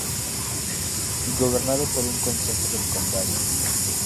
Gobernado por un consejo del condado.